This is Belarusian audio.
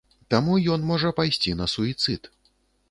Таму ён можа пайсці на суіцыд.